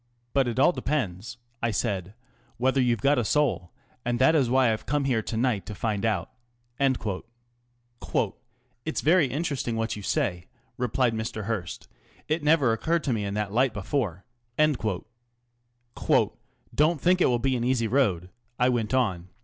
But it all depends," I said, " whether you've got a soul, and that is why I've come here to night to find out." " It's very interesting what you say," replied Mr. Hearst. " It never occurred to me in that light before." " Don't think it will be an easy road," I went on.